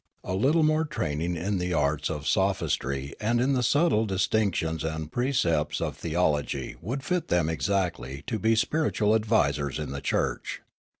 A little more training in the arts of sophistry and in the subtle distinctions and precepts of theology would fit them exactly to be spiritual advisers in the church.